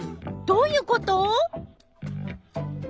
どういうこと？